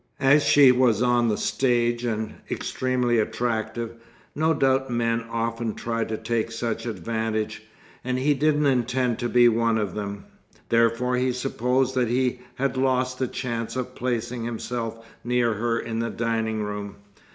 As she was on the stage, and extremely attractive, no doubt men often tried to take such advantage, and he didn't intend to be one of them; therefore he supposed that he had lost the chance of placing himself near her in the dining room.